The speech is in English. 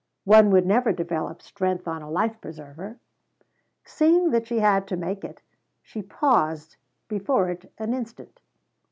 One would never develop strength on a life preserver. Seeing that she had it to make, she paused before it an instant.